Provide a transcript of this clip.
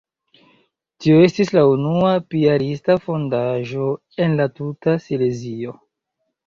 Tio estis la unua piarista fondaĵo en la tuta Silezio.